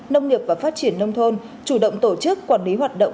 nông nghiệp và phát triển nông thôn chủ động tổ chức quản lý hoạt động